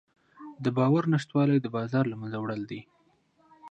د باور نشتوالی د بازار له منځه وړل دي.